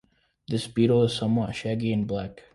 This beetle is somewhat shaggy and black.